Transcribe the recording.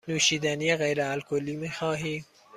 نوشیدنی غیر الکلی می خواهی؟